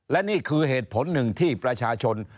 และนี่คือเหตุผลหนึ่งที่ประชาชน